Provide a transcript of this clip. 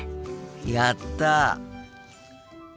やった！